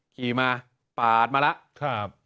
ขี่มาปาดมาแล้ว